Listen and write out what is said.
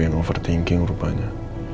gue yang over thinking rupanya